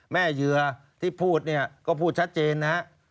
เหยื่อที่พูดเนี่ยก็พูดชัดเจนนะฮะ